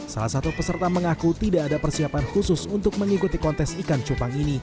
salah satu peserta mengaku tidak ada persiapan khusus untuk mengikuti kontes ikan cupang ini